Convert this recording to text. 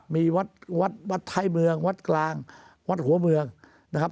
มีวัดวัดท้ายเมืองวัดกลางวัดหัวเมืองนะครับ